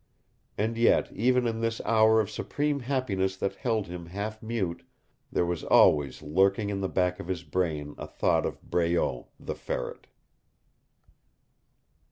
And yet, even in this hour of supreme happiness that held him half mute, there was always lurking in the back of his brain a thought of Breault, the Ferret.